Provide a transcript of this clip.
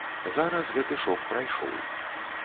Зараз гэты шок прайшоў.